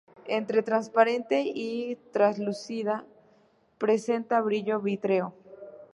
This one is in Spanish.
Entre transparente y translúcida, presenta brillo vítreo.